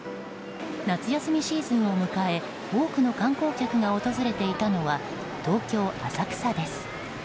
夏休みシーズンを迎え多くの観光客が訪れていたのは東京・浅草です。